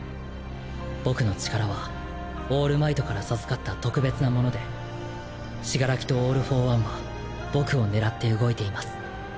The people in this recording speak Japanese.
僕の力はオールマイトから授かった特別なもので死柄木とオール・フォー・ワンは僕を狙って動いています。